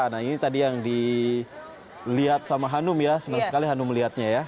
nah ini tadi yang dilihat sama hanum ya senang sekali hanum melihatnya ya